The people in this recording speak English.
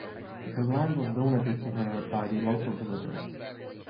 The land was donated to her by the local villagers.